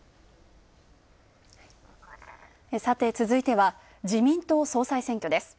さて、続いては、自民党総裁選挙です。